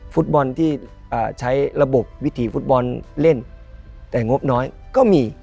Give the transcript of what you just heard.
ฟุตบอลที่ใช้ระบบวิถีฟุตบอลเล่นแต่งบน้อยก็มี